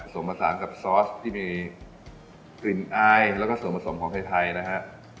ผสานกับซอสที่มีกลิ่นอายแล้วก็ส่วนผสมของไทยนะฮะ